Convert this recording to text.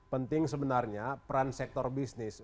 penting sebenarnya peran sektor bisnis